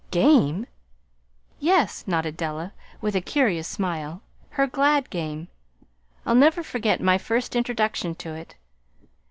"GAME!" "Yes," nodded Della, with a curious smile. "Her 'glad game.' I'll never forget my first introduction to it.